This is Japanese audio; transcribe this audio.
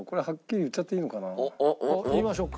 言いましょうか。